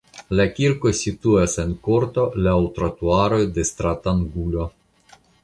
La kirko situas en korto laŭ trotuaroj de stratangulo.